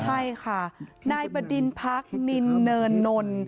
ใช่ค่ะนายบดินพักนินเนินนล